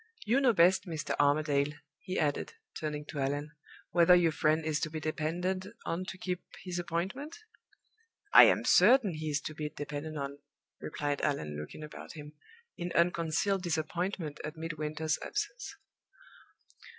You know best, Mr. Armadale," he added, turning to Allan, "whether your friend is to be depended on to keep his appointment?" "I am certain he is to be depended on," replied Allan, looking about him in unconcealed disappointment at Midwinter's absence.